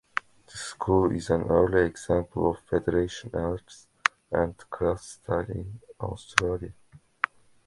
The school is an early example of Federation Arts and Crafts style in Australia.